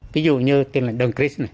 ví dụ như tên là đồng cris